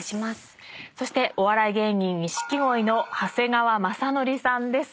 そしてお笑い芸人錦鯉の長谷川雅紀さんです。